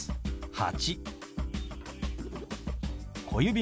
「８」。